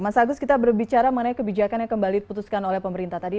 mas agus kita berbicara mengenai kebijakan yang kembali diputuskan oleh pemerintah tadi